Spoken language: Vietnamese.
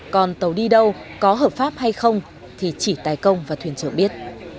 còn tàu đi đâu có hợp pháp hay không thì chỉ tài công và thuyền chở biết